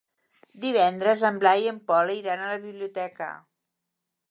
Divendres en Blai i en Pol iran a la biblioteca.